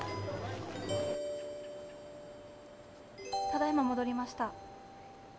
ただいま戻りました。